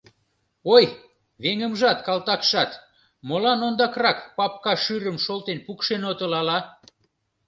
— Ой, веҥымжат-калтакшат, молан ондакрак папка шӱрым шолтен пукшен отыл ала?